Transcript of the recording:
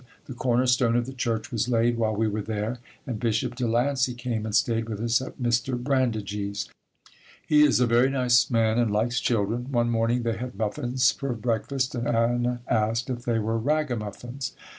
The corner stone of the church was laid while we were there and Bishop De Lancey came and stayed with us at Mr. Brandigee's. He is a very nice man and likes children. One morning they had muffins for breakfast and Anna asked if they were ragamuffins. Mr.